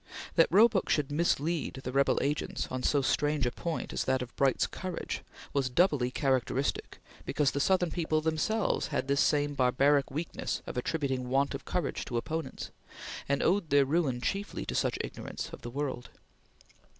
That Roebuck should mislead the rebel agents on so strange a point as that of Bright's courage was doubly characteristic because the Southern people themselves had this same barbaric weakness of attributing want of courage to opponents, and owed their ruin chiefly to such ignorance of the world.